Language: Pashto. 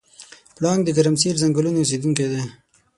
پړانګ د ګرمسیر ځنګلونو اوسېدونکی دی.